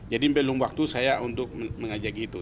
jadi belum waktu saya untuk mendekati